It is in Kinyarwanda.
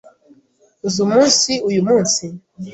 Uzi umunsi uyumunsi?